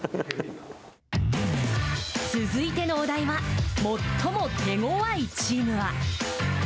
続いてのお題は「最も手ごわいチームは？」